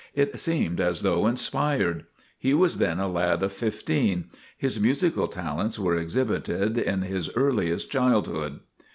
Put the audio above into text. It seemed as though inspired. He was then a lad of fifteen. His musical talents were exhibited in his earliest childhood.